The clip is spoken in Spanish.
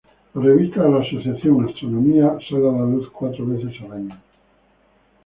La Revista de la Asociación “Astronomía“ sale a luz cuatro veces al año.